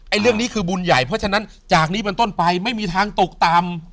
เรื่องนี้คือบุญใหญ่เพราะฉะนั้นจากนี้เป็นต้นไปไม่มีทางตกต่ำ